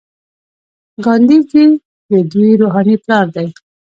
ګاندي جی د دوی روحاني پلار دی.